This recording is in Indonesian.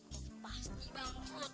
kan makanannya yang dihabisin kain banget